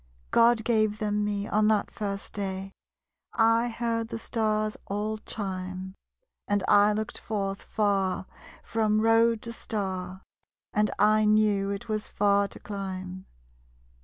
_God gave them me, on that first day I heard the Stars all chime. And I looked forth far, from road to star; And I knew it was far to climb.